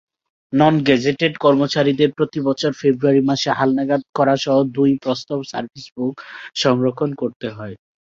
Non-gazetted কর্মচারীদের প্রতিবছর ফেব্রুয়ারি মাসে হালনাগাদ করাসহ দুই প্রস্ত সার্ভিসবুক সংরক্ষণ করতে হয়।